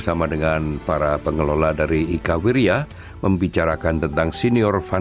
sama sama mbak sri terima kasih